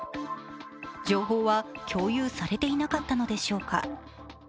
情報は共有されていなかったのでしょうか。